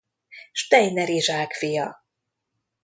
Steiner Izsák fia.